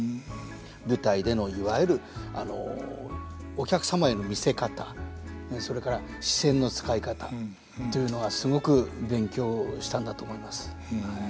舞台でのいわゆるお客様への見せ方それから視線の使い方というのがすごく勉強したんだと思います。